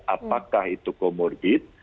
apakah itu komorbid